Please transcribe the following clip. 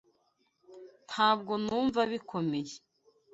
Ntabwo numva bikomeye